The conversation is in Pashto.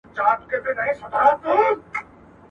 پر خاوند باندې د ميرمنې نفقه چا فرض کړې ده؟